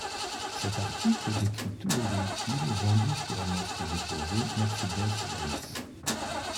Cet article décrit tous les véhicules vendus sous la marque déposée Mercedes-Benz.